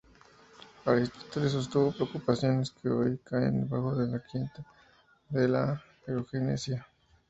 Aristóteles sostuvo preocupaciones que hoy caen bajo la etiqueta de la eugenesia.